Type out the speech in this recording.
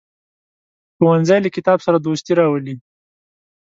ښوونځی له کتاب سره دوستي راولي